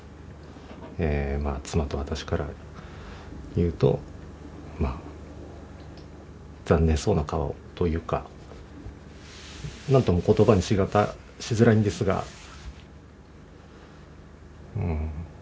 え妻と私から言うと残念そうな顔というか何とも言葉にしづらいんですがうん。